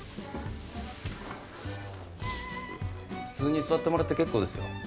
普通に座ってもらって結構ですよ。